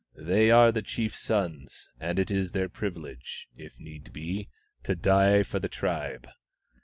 " They are the chief's sons, and it is their privilege, if need be, to die for the tribe.